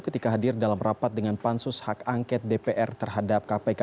ketika hadir dalam rapat dengan pansus hak angket dpr terhadap kpk